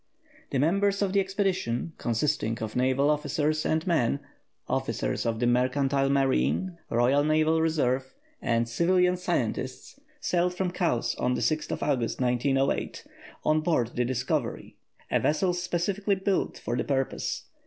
The members of the expedition, consisting of Naval officers and men, officers of the Mercantile Marine (Royal Naval Reserve), and civilian scientists, sailed from Cowes on August 6, 1901, on board the Discovery, a vessel specially built for the purpose.